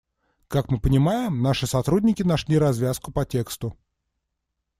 Как мы понимаем, наши сотрудники нашли развязку по тексту.